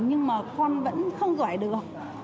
nhưng mà con vẫn không giỏi được